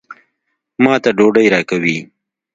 ما ته ډوډۍ راکوي.